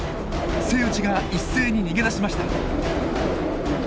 セイウチが一斉に逃げ出しました！